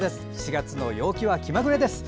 ４月の陽気は気まぐれです。